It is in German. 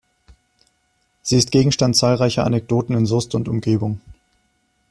Sie ist Gegenstand zahlreicher Anekdoten in Soest und Umgebung.